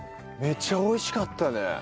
めっちゃ美味しかったね。